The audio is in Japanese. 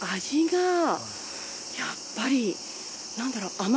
味がやっぱりなんだろう